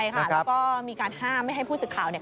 ใช่ค่ะและก็มีการห้ามไม่ให้ผู้สึกข่าวแล้ว